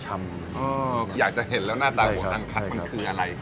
อยากจะเห็นแล้วหน้าตาของนางคักมันคืออะไร